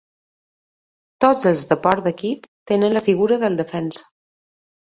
Tots els esports d'equip tenen la figura del defensa.